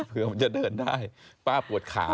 เผื่อมันจะเดินได้ป้าปวดขา